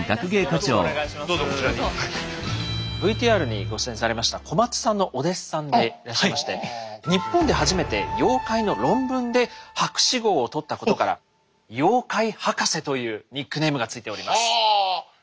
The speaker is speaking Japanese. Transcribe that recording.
ＶＴＲにご出演されました小松さんのお弟子さんでいらっしゃいまして日本で初めて妖怪の論文で博士号をとったことから「妖怪博士」というニックネームが付いております。